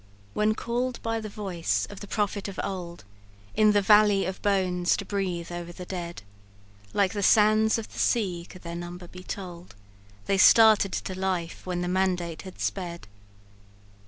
"When call'd by the voice of the prophet of old, In the 'valley of bones,' to breathe over the dead; Like the sands of the sea, could their number be told, They started to life when the mandate had sped.